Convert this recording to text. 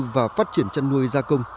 và phát triển chăn nuôi gia công